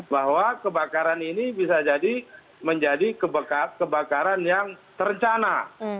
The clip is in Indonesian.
bahwa kebakaran ini bisa jadi menjadi kebakaran yang terencana